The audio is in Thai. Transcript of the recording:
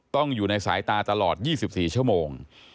ต้องอยู่ในสายตาตลอด๒๔ชั่วโมง